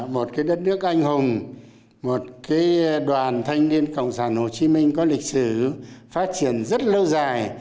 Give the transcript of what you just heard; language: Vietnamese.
một đất nước anh hùng một đoàn thanh niên cộng sản hồ chí minh có lịch sử phát triển rất lâu dài